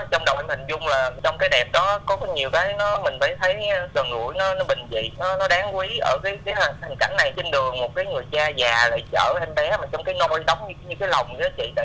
trong đầu em hình dung là trong cái đẹp đó có nhiều cái mình thấy gần gũi nó bình dị nó đáng quý ở cái hình cảnh này trên đường một cái người cha già lại chở anh bé mà trong cái nôi đóng như cái lồng như đó chị tỉnh như đó